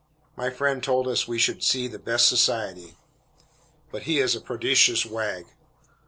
My friend told us we should see the "best society." But he is a prodigious wag.